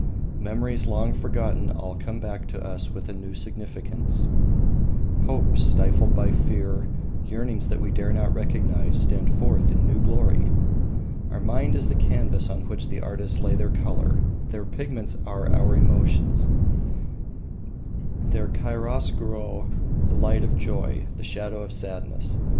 Memories long forgotten all come back to us with a new significance. Hopes stifled by fear, yearnings that we dare not recognise, stand forth in new glory. Our mind is the canvas on which the artists lay their colour; their pigments are our emotions; their chiaroscuro the light of joy, the shadow of sadness.